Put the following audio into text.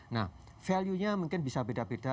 nah value nya mungkin bisa beda beda